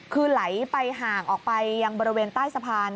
คือไหลไปห่างออกไปยังบริเวณใต้สะพาน